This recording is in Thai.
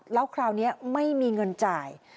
แล้วคราวนี้ไม่มีเงินจ่าย